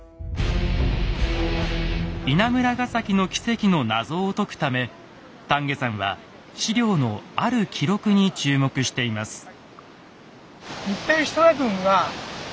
稲村ヶ崎の奇跡の謎を解くため田家さんは史料のある記録に注目しています。